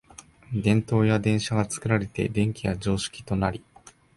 電燈や電車が作られて電気は常識となり、